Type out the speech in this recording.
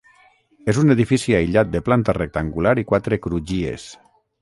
És un edifici aïllat de planta rectangular i quatre crugies.